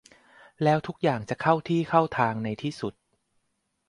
แล้วทุกอย่างจะเข้าที่เข้าทางในที่สุด